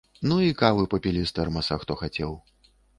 Ну і кавы папілі з тэрмаса, хто хацеў.